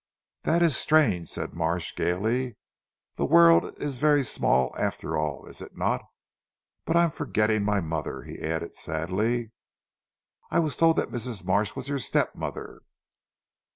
"That is strange," said Marsh gaily, "the world is very small after all is it not. But I am forgetting my mother," he added sadly. "I was told that Mrs. Marsh was your step mother."